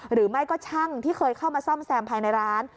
หรือไม่ก็ช่างที่เคยเข้ามาซ่อมแซมภายในร้าน